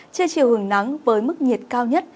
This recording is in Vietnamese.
chưa chiều hưởng nắng với mức nhiệt cao nhất